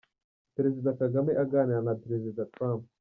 Perezida Kagame aganira na Perezida Trump.